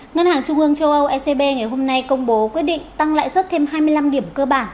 ngân hàng trung hương châu âu ecb ngày hôm nay công bố quyết định tăng lại xuất thêm hai mươi năm điểm cơ bản